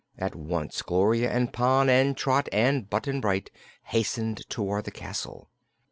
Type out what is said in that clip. At once Gloria and Pon and Trot and Button Bright hastened toward the castle.